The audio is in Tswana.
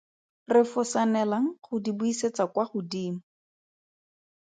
Refosanelang go di buisetsa kwa godimo.